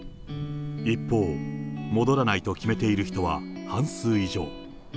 一方、戻らないと決めている人は半数以上。